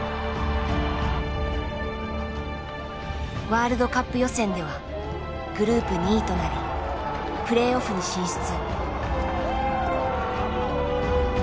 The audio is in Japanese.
ワールドカップ予選ではグループ２位となりプレーオフに進出。